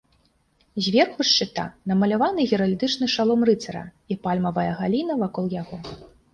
Зверху шчыта намаляваны геральдычны шалом рыцара і пальмавая галіна вакол яго.